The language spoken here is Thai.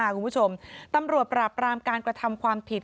คุณผู้ชมตำรวจปราบรามการกระทำความผิด